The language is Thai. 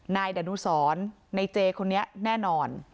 ดนุสรในเจคนนี้แน่นอน